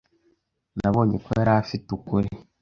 Nabonye ko yari afite ukuri.